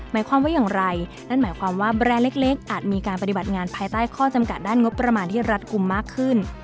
หมายความว่าอย่างไรนั่นหมายความว่าแบรนด์เล็กอาจมีการปฏิบัติงานภายใต้ข้อจำกัดด้านงบประมาณที่รัดกลุ่มมากขึ้น